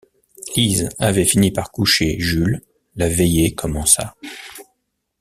Lise avait fini par coucher Jules, la veillée commença.